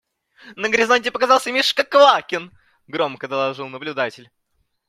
На горизонте показался Мишка Квакин! – громко доложил наблюдатель.